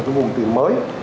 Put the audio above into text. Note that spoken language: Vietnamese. một cái vùng tiền mới